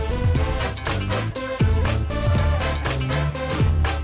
oke oke bagus juga usaha kalian